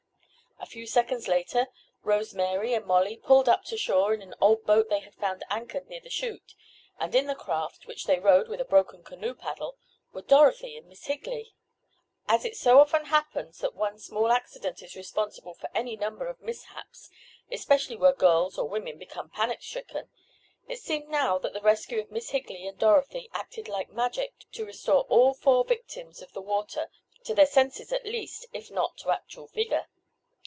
A few seconds later Rose Mary and Molly pulled up to shore in an old boat they had found anchored near the chute, and in the craft, which they rowed with a broken canoe paddle, were Dorothy and Miss Higley! As so often happens that one small accident is responsible for any number of mishaps, especially where girls or women become panic stricken, it seemed now that the rescue of Miss Higley and Dorothy acted like magic to restore all four victims of the water to their senses, at least, if not to actual vigor.